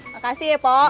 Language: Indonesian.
makasih ya pok